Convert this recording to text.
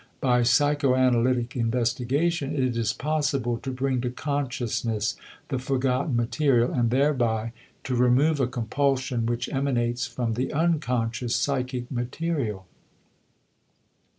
By psychoanalytic investigation it is possible to bring to consciousness the forgotten material, and thereby to remove a compulsion which emanates from the unconscious psychic material.